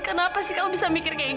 kenapa sih kamu bisa mikir kayak gini